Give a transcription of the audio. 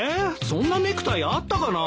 そんなネクタイあったかな。